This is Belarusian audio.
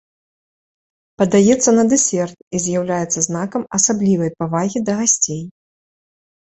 Падаецца на дэсерт і з'яўляецца знакам асаблівай павагі да гасцей.